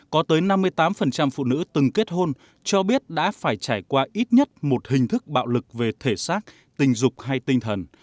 có tới năm mươi tám phụ nữ từng kết hôn cho biết đã phải trải qua ít nhất một hình thức bạo lực về thể xác tình dục hay tinh thần